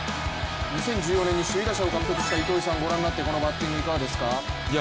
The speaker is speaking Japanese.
２０１４年に首位打者を獲得した糸井さん、このバッティングご覧になっていかがですか？